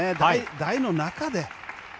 台の中で。